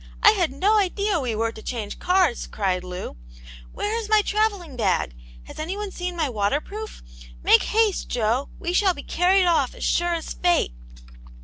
I had no idea We were to change cars !" cried Lou. " Where ia my travelling bag } Has anyone seen my waterproof ? Make haste, Jo, we shall be carried off as sure as. fate."